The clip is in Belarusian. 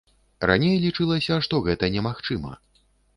Раней лічылася, што гэта немагчыма.